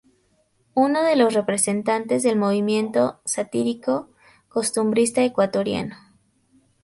Uno de los representantes del movimiento satírico-costumbrista ecuatoriano.